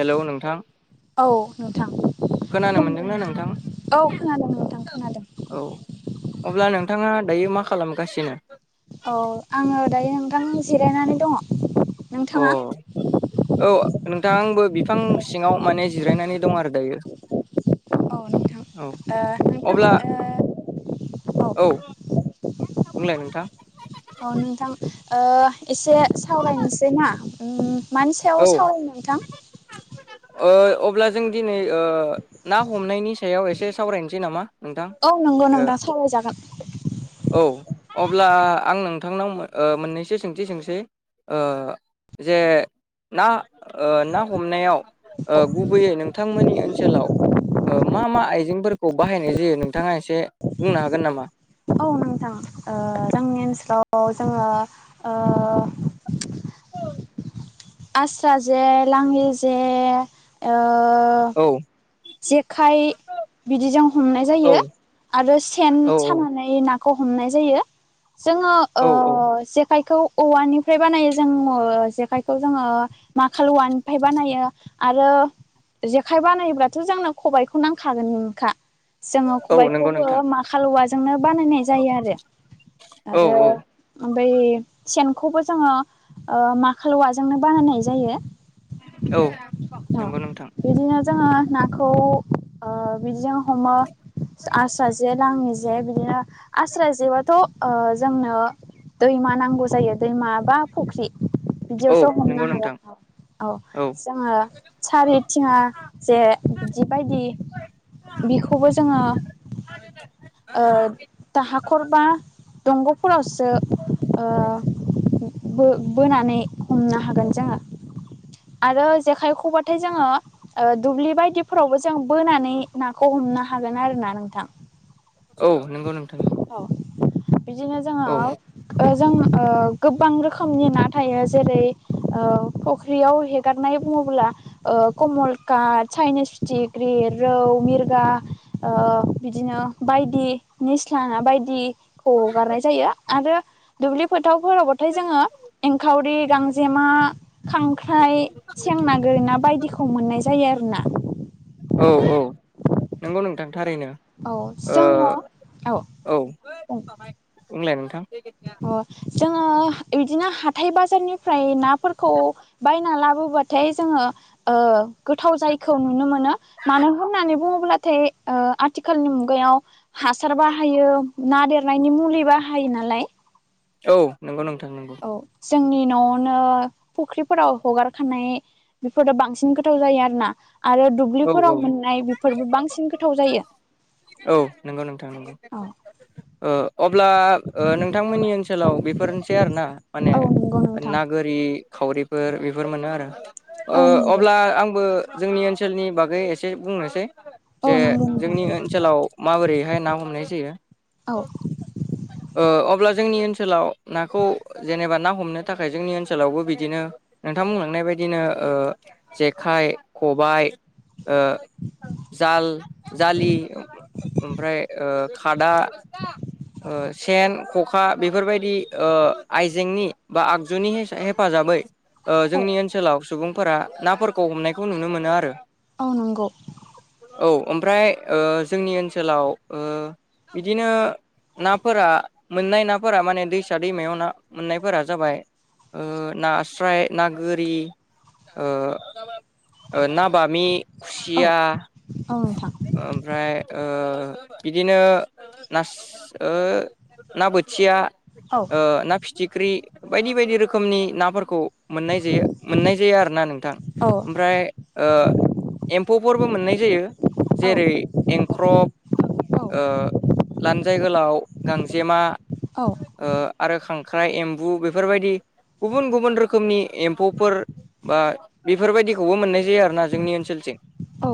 हेल' नोंथां। औ नोंथां? खोनानो खुलुमबाय मोनदोंना नोंथां, औ खोनादों नोंथां खोनादों। औ अब्ला नोंथाङा दायो मा खालामगासिनो? औ आङो दायो नोंथां जिरायनानै दङ'। अ नोंथाङा औ नोंथां आबो बि फां सिङाव माने जिरायनानै दं आरो दायो। औ नोंथां औ ओ नोंथां अब्ला औ बुंलाय नोंथां। औ नोंथां ओ एसे सावरायनोसै ना उम मानि सायाव औ सावरायनो नोंथां? ओ अब्ला जों दिनै ओ ना हमनायनि सायाव एसे सावरायनोसै नामा? नोंथां औ नंगौ ओ नोंथां सावरायजागोन औ। अब्ला आं नोंथांनाव ओ मोननैसो सोंथि सोंसै। ओ जे ना ओ ना हमनायाव ओ औ गुबैयै नोंथांमोननि ओनसोलाव ओ मा मा आइजेंफोरखौ बाहायनाय जायो नोंथाङा एसे बुंनो हागोन नामा? औ नोंथां जोंनि ओनसोलाव जोंङो आस्रा जे लाङि जे औ जेखाइ बिदिजों हमनाय औ जायो आरो सेन औ सानानै ना खौ हमनाय जायो जोंङो औ औ जेखायखौ औवानिफ्राय बानायो जोंङो जेखायखौ जोंङो माखाल औवानिफ्राय बानायो आरो जेखाइ बानायोबथ जोंनो खबाइखौ नांखागोनखा जोंङो औ नंगौ खबाइखौबो नोंथां माखाालऔवाजोंनो बानायनाय जायो आरो औ आरो औ बै सेनखौबो जोङो माखालवाजोंनो बानायनाय जायो औ अ नंगौ नोंथां बिदिनो जोंङो नाखौ बिदिजों हमो आस्रा जे लाङि जे बिदिनो आस्रा जेबाथ' जोंनो दैमा नांगौ जायो दैमा बा फुख्रि औ बिदियावसो हमनो नंगौ नोंथां हागोन औ जोंङो सारिथिङा जे बिदि बायदि बेखौबो जोङो दाहाखर बा दंग'फोरावसो बोनानै हमनो हागोन जोङो आरो जेखायखौबाथाय जोंङो दुब्लि बायदिफोरावबो जों बोनानै नाखौ ह हमनो हागोन आरोना नोंथां औ नंगौ नोंथां नंगौ औ बिदिनो औ जोंङो जों गोबां रोखोमनि ना थायो जेरै फुख्रियाव हेगारनाय बुंङोब्ला कमल काट चाइनिस फिथिग्रि बे रौ मिरगा बिदिनो बायदि निस्ला ना बायदिखौ हगारनाय जायो आरो दुब्लि फोथावफोरबाथाय जोंङो एंखावरि गांजेमा खांख्राइ सें ना गोरि ना बायदिखौ मोननाय जायो आरोोना औ औ नंगौ नोंथां थारैनो औ जोङो औ बुं बुगलाय अ जोंङो बिदिनो हाथाय बाजारनिफ्राय नाफोरखौ बायना लाबोबाथाय जोङो गोथाव जायैखौ नुनो मोनो मानो होननानै बुङोब्लाथाय आथिखालनि मुगायाव हासार बाहायो ना देरनायनि मुलि बाहायो नालाय औ नंगौ नोंथां नंगौ औ जोंनि नआवनो फुख्रिफोराव हगार खानाय बेफोर बांसिन गोथाव जायो आरो ना आरो औ दुब्लिफोराव औ मोननाय बेफोरबो बांसिन गोथाव जायो औ नंगौ नोंथां नंगौ औ ओ अब्ला नोंथांमोननि ओनसोलाव बे बेफोरनोसै आरो ना माने औ नंगौ नोंथां ना गोरि खावरिफोर बेफोर मोनो आरो औ ओ नंगौ अब्ला आंबो जोंनि ओनसोलनि बागै एसे बुंनोसै औ जे नंगौ नोंथां जोंनि ओनसोलाव माबोरैहाय ना हमनाय जायो औ ओ अब्ला जोंनि ओनसोलाव नाखौ जेनेबा ना हमनो थाखाय जोंनि ओनसोलावबो बिदिनो नोंथां बुंलांनाय बायदिनो बिदिनो जेखाइ खबाय ओ जाल जालि ओमफ्राय ओ खादा ओ सेन खखा बेफोरबायदि ओ आइजेंनि बा आगजुनि हेफाजाबै जोंनि ओनसोलाव सुबुंफोरा नाफोरखौ हमनायखौ नुनो मोनो आरो औ नंगौ औ ओमफ्राय ओ जोंनि ओनसोलाव ओ बिदिनो नाफोरा मोननाय नाफोरा माने दैसा दैमायाव ना मोननायफोरा जाबाय ओ नास्राय ना गोरि ओ ना बामि औ खुसिया नोंथां ओमफ्राय ओ बिदिनो नास ओ ना बोथिया औ ओ ना फिथिख्रि बायदि बायदि रोखोमनि नाफोरखौ मोननाय जायो मोननाय जायो आरोना नोंथां। ओमफ्राय ओ एम्फौफोरबो मोननाय जायो औ जेरै एंख्रब औ ओ लानजाय गोलाव, गांजेमा औ ओ आरो खांख्राइ, एम्बु बेफोरबायदि गुबुन गुबुन रोखोमनि एम्फौफोर बा बेफोरबायदिखौबो मोननाय जाया फाना जोंनि ओनसोलथिं औ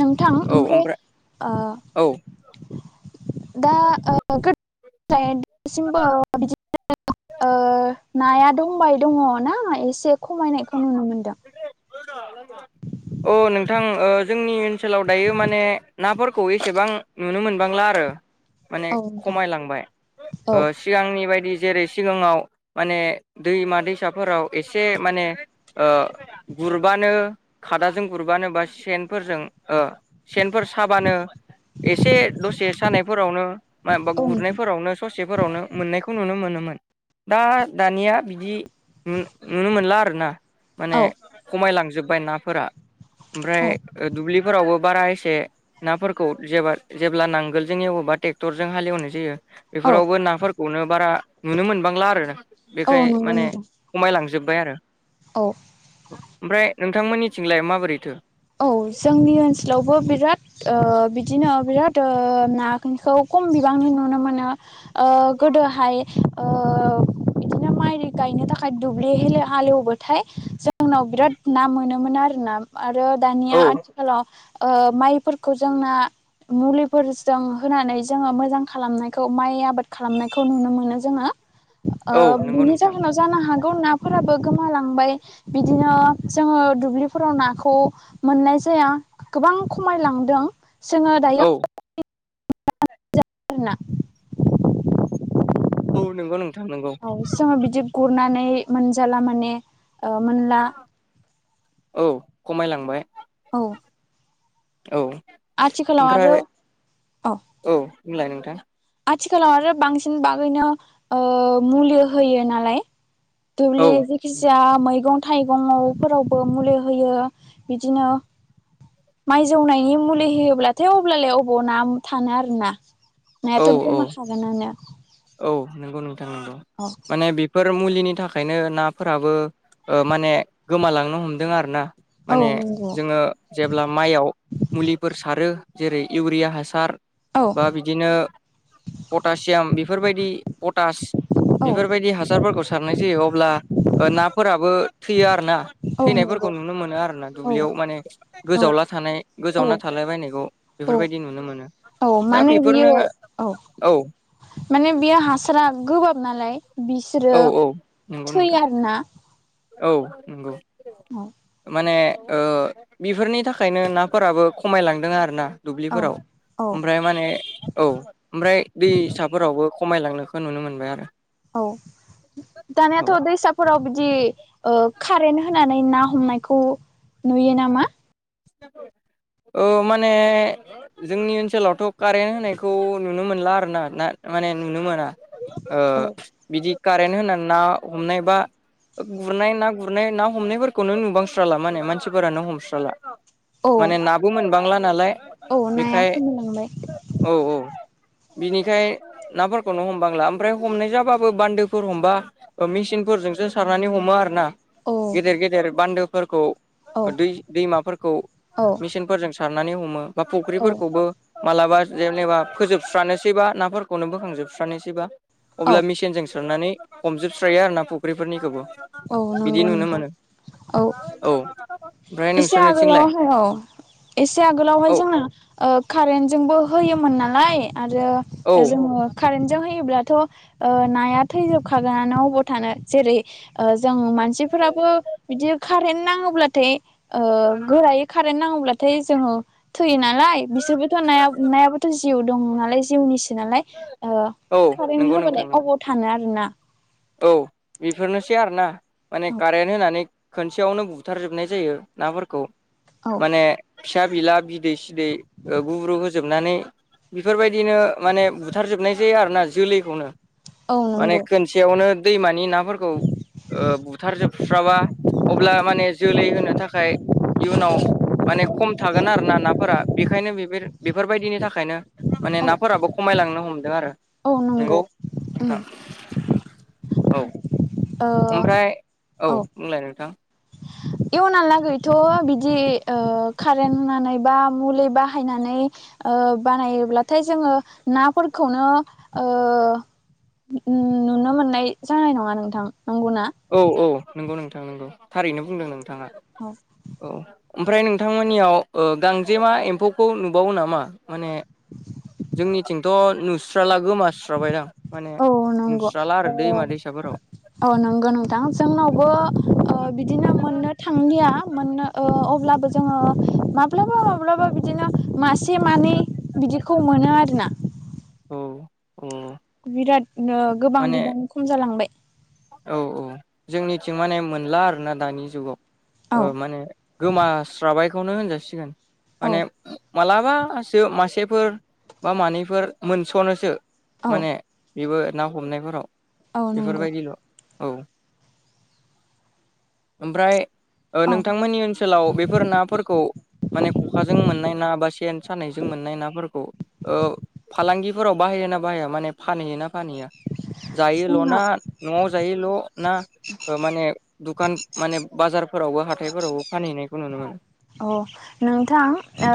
नोंथां ओमफ्राय ओ औ दा ओ [unintelligible] ओ नाया दंबाय दङ ना एसे खमायनायखौ नुनो मोनदों। [unintelligible] अ नोंथां ओ जोंनि ओनसोलाव दायो माने नाफोरखौ एसेबां नुनो मोनबांला आरो माने औ नोंथां खमायलांबाय औ ओ सिगांनि बायदि जेरै सिगाङाव माने दैमा दैसाफोराव एसे माने ओ गुरबानो खादाजों गुरबानो बा सेनफोरजों ओ सेनफोर साबानो एसे दसे सानायफोरावनो मायबा औ नोंथां गुरनायफोरावनो ससेफोरावनो मोननायखौ नुनो मोनोमोन। दा दानिया बिदि नु-नुनो मोनला आरोना माने। औ खमायलांजोबबाय नाफोरा। ओमफ्राय औ दुब्लिफोरावबो बारा एसे नाफोरखौ जेब्ला नांगोलजों एवोबा ट्रेक्टरजों हालेवनाय जायो औ बेफोरावबो नाफोरखौनो बारा नुनो मोनबांला आरो। बेखाय औ नंगौ माने नोंथां खमायलांजोबबाय आरो औ ओमफ्राय नोंथांमोननिथिंलाय माबोरैथो? औ जोंनि ओनसोलावबो बिराद ओ बिदिनो बिराद ओ नाखौ खम बिबांनि नुनो मोनो। ओ गोदोहाय ओ बिदिनो माइ गायनो थाखाय दुब्लि हाल एवबाथाय जोंनाव बिराद ना मोनोमोन आरो। आरो दानिया औ आथिखालाव ओ माइफोरखौ जोंना मुलिफोरजों होनानै जोङो मोजां खालामनायखौ माइ आबाद खालामनायखौ नुनो मोनो जोङो। औ नंगौ बिनि नोंथां जाहोनाव जानो हागौ नाफोराबो गोमालांबाय बिदिनो जोङो दुब्लिफोराव नाखौ मोननाय जाया गोबां खमायलांदों जोङो औ दायो [unintelligible] औ नंगौ नों- औ सिगाङाव बिदि गुरनानै मोनजाला माने ओ मोनला औ खमायलांबाय औ औ आथिखालाव ओमफ्राय आरो औ बुंलाय नोंथां। आथिखालाव आरो बांसिन बागैनो मुलि होयो नालाय दुब्लि औ जेखिजाया मैगं थाइगंफोरावबो मुलि होयो बिदिनो माइ जौनायनि मुलि होयोब्लाथाय अब्लालाय अबाव ना थानो आरोना। औ नायाथ' औ गोमाखागोनानो। औ नंगौ नोंथां नंगौ माने बेफोर बे मुलिनि थाखायनो नाफोराबो माने गोमालांनो हमदों आरो ना। औ माने नंगौ जोङो जेब्ला माइयाव मुलिफोर सारो जेरै इउरिया हासार औ बा बिदिनो पटासियाम बेफोरबायदि पटास औ बेफोरबायदि हासारफोरखौ सारनाय जायो अब्ला नाफोराबो थैयो आरो ना औ थैनायफोरखौ नंगौ नुनो मोनो आरो ना औ दुब्लियाव माने औ गोजावला थानाय गोजावना औ थालाबायनायखौ औ बेफोरबायदि नुनो मोनो औ दा माने बेफोरनो बियो औ बे हासारा गोबाब नालाय बिसोरो औ औ नंगौ थैयो नोंथां आरो ना औ नंगौ माने बेफोरनि थाखायनो नाफोराबो खमायलांदों आरो ना औ दुब्लिफोराव औ ओमफ्राय माने औ ओमफ्राय दैसाफोरावबो खमायलांनोखौ नुनो मोनबाय आरो औ औ दानियाथ' दैै सा फोराव दि कारेन्ट होनानै ना हमनायखौ नुयो नामा? [inaudible] औ माने जोंनि ओनसोलावथ' कारेन्ट होनायखौ नुनो मोनला आरोना दा माने नुनो मोना औ बिदि कारेन्ट होनानै ना हमनायबा गुरनाय ना गुरनाय ना हमनायफोरखौनो नुबांस्राला माने मानसिफोरानो हमस्राला औ माने नाबो मोनबांला नालाय औ नाया बेखाय खमायलांबाय औ औ बिनिखाय नाफोरखौनो हमबांला ओमफ्राय हमनाय जाबाबो बान्दोफोर हमबा मेचिन न फोरजोंसो सारनानै हमो आरो ना औ गेदेर गेदेर बान्दोफोरखौ औ दै दैमाफोरखौ औ मेसिनफोरजों सारनानै हमो बा औ फुख्रिफोरखौबो मालाबा जेनेबा फोजोबस्रानोसैबा नाफोरखौनो बोखांजोबस्रानोसैबा औ अब्ला मिसिनजों सारनानै हमजोबस्रायो आरो ना फुख्रिफोरनिखौबो औ बिदि नंगौ नुनो नोंथां मोनो औ ओमफ्राय एसे नोंसोरनि औ आगोलावहाय एसे आगोलावहाय औ जोंना कारेन्टजोंबो होयोमोन नालाय आरो औ जोङो कारेेनटजोंहाय ब्लाथ' नाया थैजोबखागोन अबाव थानो जेरै जों मानसिफोराबो बिदि कारेन्ट नाङोब्लाथाय गोरायै खार खारेन नाङोब्लाथाय जोङो थैयोना नालाय बिसोरबोथ' नायाबोथ' जिउ दं नालाय जिउनिसो नालाय औ कारेन्ट नंगौ नोंथां होबालाय नंगौ अबाव थानो आरो ना औ बेफोरनोसै आरोना माने औ कारेन्ट होनानै खोनसेयावनो बुथारजोबनाय जायो नाफोरखौ औ माने फिसा बिला बिदै सिदै गुब्रु होजोबनानै बेफोरबायदिनो माने बुथारजोबनाय जायो आरोना जोलैखौनो औ नंगौ। बेयावनो दैमानि नाफोरखौ ओ बुथारजोबस्राबा अब्ला माने जोलै होनो थाखाय इयुनाव माने खम थागोन आरो ना नाफोरा बेखायनो बेफोर बेफोरबायदिनि थाखायनो माने औ नाफोराबो खमायलांनो हमदों आरो नंगौ उम नोंथां औ ओ ओमफ्राय औ बुंलाय नोंथां एयुनावहालागैथ' बिदि ओ कारेन्ट होनानै बा मुलि बाहायनानै ओ बानायोब्लाथाय जोङो नाफोरखौनो ओ नुनो मोननाय जानाय नङा नोंथां नंगौना? औ औ नंगौ नोंथां नंगौ थारैनो बुंदों नोंथाङा औ ओमफ्राय नोंथांमोननियाव ओ गांजेमा एम्फौखौ नुबावो नामा माने जोंनिथिंथ' नुस्राला गोमास्राबायदां माने औ नंगौ नुस्राला आरो औ दैमा दैसाफोराव औ नंगौ नंगौ दा जोंनावबो बिदिनो मोननो थांलिया मोन्नो ओ अब्लाबो जोङो माब्लाबा माब्लाबा बिदिनो मासे से मानै बिदिखौ मोनो आरोना उम बिराद ओ गोबां बिबां खम जालांबाय औ औ जोंनिथिं माने मोनला आरोना दानि जुगाव औ ओ माने गोमास्राबायखौनो होनजासिगोन औ माने मालाबासो मासेफोर बा मानैफोर मोनस'नोसो औ माने बेबो ना हमनायफोराव औ नंगौ बेफोरबायदिल' औ ओमफ्राय ओ औ नोंथांमोननि ओनसोलाव बेफोर नाफोरखौ माने खखाजों मोननाय ना बा सेन सानायजों मोननाय नाफोरखौ ओ फालांगि फोराव बाहाय ना बाहाया माने फानहैयो ना फानहैया जायोल' जोंनाव ना न'आव जायोल' ना माने दुखान माने बाजार फोरावबो हाथायफोरावबो फानहैनायखौ नुनो मोनो अह नोंथां ओ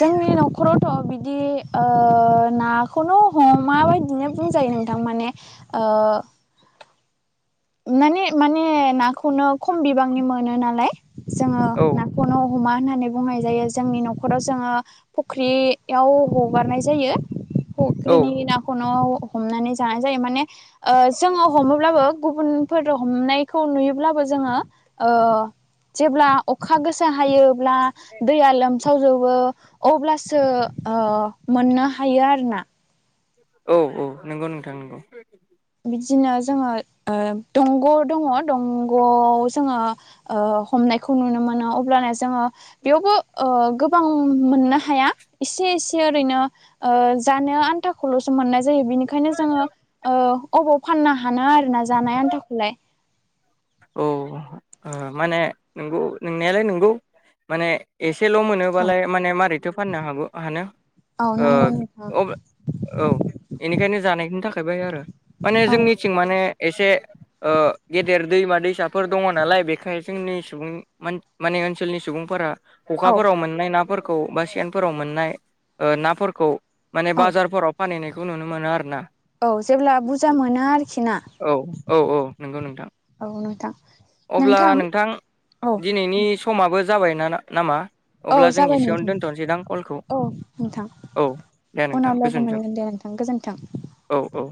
जोंनि न'खरावथ' ओ बिदि ना नाखौनो हमा बायदिनो बुंजायो नोंथां माने ओ माने माने नाखौनो खम बिबांनि मोनो नालाय जोङो औ नाखौनो हमा होननानै बुंनाय जायो जोंनि न'खराव जोङो फुख्रियाव हगारनाय जायो औ फुख्रिनि नाखौनो हमनानै जानाय जायो माने ओ जोङो हमोब्लाबो गुबुनफोर हमनायखौ नुयोब्लाबो जोङो ओ जेब्ला अखा गोसा हायोब्ला दैया लोमसा सावजोबो अब्लासो मोननो हायो आरो ना औ औ नंगौ नोंथां नंगौ बिदिनो जोङो ओ दंग' दङ दंग'आव जोङो ओ हमनायखौ नुनो मोनो अब्लाना जोङो बेयावबो ओ गोबां मोननो हायो या एसे एसे ओरैनो ओ जानो आनथाखौल'सो मोननाय जायो बेनिखायनो जोङो ओ अबाव फाननो हाना आरोना जानाय आन्थाखौलाय औ ओ माने नोंगौ नोंनायालाय नोंगौ माने एस सेल' मोनोबालाय माने माबारैथो फाननो हागौ हानो औ नंगौ नोंथां ओ औ इनिखायनो जानायनि थाखायबाय आरो माने औ जोंनिथिं माने एसे ओ गेदेर दैमा दैसाफोर दङ नालाय बेखाय जोंनि सुबुं माने ओनसोलनि सुबुंफोरा औ खखाफोराव मोननाय नाफोरखौ बा सेनफोराव मोननाय ओ नाफोरखौ माने औ बाजारफोराव फानहैनायखौ नुनो मोनो आरो ना औ जेब्ला बुरजा मोना आरोखि ना औ औ औ नंगौ नोंथां औ नोंथां अब्ला नोंथां औ दिनैनि समाबो जाबाय ना नामा औ अब्ला जों जाबाय एसेयावनो नोंथां दोन्थ'नोसैदां कलखौ औ नोंथां औ दे नोंथां उनाव लोगो गोजोनजों मोनगोन दे नोंथां गोजोन्थों औ औ